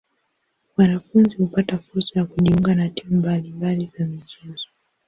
Wanafunzi hupata fursa ya kujiunga na timu mbali mbali za michezo.